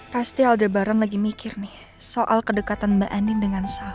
pasti aldebaran lagi mikir nih soal kedekatan mbak ending dengan sal